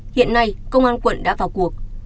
hiện nay công an quận đã vào cuộc